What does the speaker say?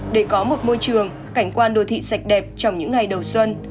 để có một môi trường cảnh quan đô thị sạch đẹp trong những ngày đầu xuân